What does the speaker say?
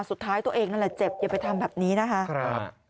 ตัวเองนั่นแหละเจ็บอย่าไปทำแบบนี้นะคะ